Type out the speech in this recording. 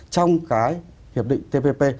trong cái hiệp định tpp